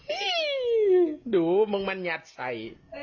ดูมึงมันยัดใส่